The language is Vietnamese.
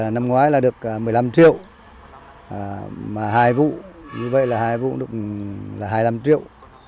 năm ngoái là được một mươi năm triệu mà hai vụ như vậy là hai vụ được là hai mươi năm triệu